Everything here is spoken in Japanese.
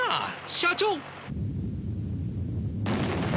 社長！